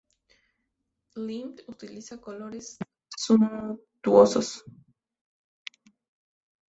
Klimt utiliza colores suntuosos.